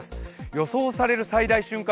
予想される最大瞬間